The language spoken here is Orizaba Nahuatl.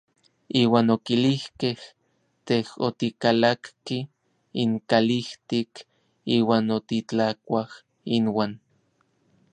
Iuan okilijkej: Tej otikalakki inkalijtik iuan otitlakuaj inuan.